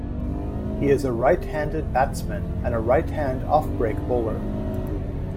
He is a right-handed batsman and a right-hand off-break bowler.